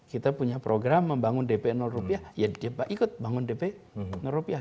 kita punya program membangun dp rupiah ya dia ikut bangun dp rupiah